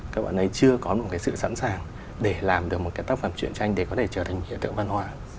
các bạn ấy chưa có một cái sự sẵn sàng để làm được một cái tác phẩm chuyện tranh để có thể trở thành hiện tượng văn hóa